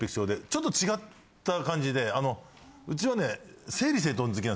ちょっと違った感じでうちはね。